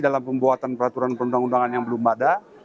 dalam pembuatan peraturan perundang undangan yang belum ada